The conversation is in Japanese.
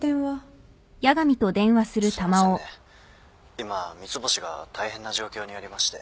今三ツ星が大変な状況にありまして。